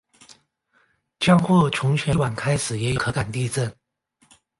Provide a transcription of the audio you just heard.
江户从前一晚开始也有可感地震。